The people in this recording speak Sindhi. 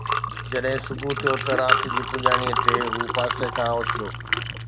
جڏهن صبح ٿيو ته رات جي پڄاڻيءَ تي هو پاسي کان اٿيو